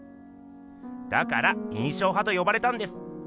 だから「印象派」と呼ばれたんです。